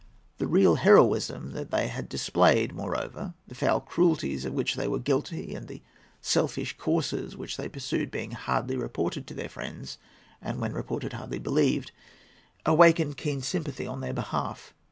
The real heroism that they had displayed, moreover—the foul cruelties of which they were guilty and the selfish courses which they pursued being hardly reported to their friends, and, when reported, hardly believed—awakened keen sympathy on their behalf.